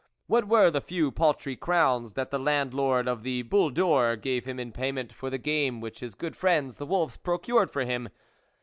What were the few paltry crowns that the Land lord of the Boule d'Or gave him in pay ment for the game which his good friends the wolves procured for him